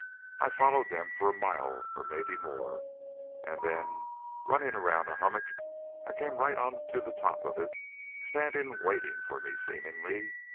I followed them for a mile or maybe more, and then running round a hummock I came right on to the top of it standing and waiting for me seemingly.